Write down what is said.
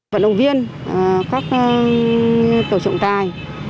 vận động viên các tổ trọng tài